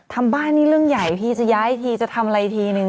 ทำบ้านนี่เรื่องใหญ่พี่จะย้ายทีจะทำอะไรทีนึง